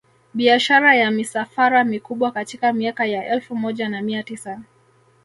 Biashara ya misafara mikubwa katika miaka ya elfu moja na mia tisa